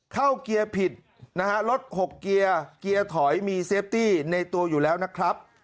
เกียร์ผิดนะฮะรถหกเกียร์เกียร์ถอยมีเซฟตี้ในตัวอยู่แล้วนะครับ